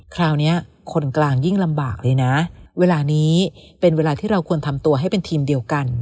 คราวนี้คนกลางยิ่งลำบากเลยนะเวลานี้เป็นเวลาที่เราควรทำตัวให้เป็นทีมเดียวกัน